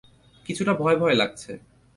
কিছুটা ভয় ভয় লাগছে!